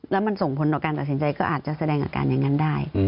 แล้วมันส่งผลต่อการตัดสินใจก็อาจจะแสดงอาการอย่างนั้นได้